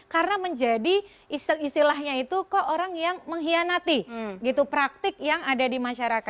karena menjadi istilahnya itu kok orang yang mengkhianati gitu praktik yang ada di masyarakat